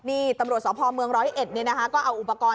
นี่ตำรวจสอบภอบเมืองร้อยเอ็ดเนี้ยนะคะก็เอาอุปกรณ์